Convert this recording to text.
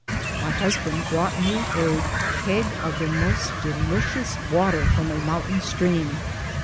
My husband brought me a keg of the most delicious water from a mountain stream.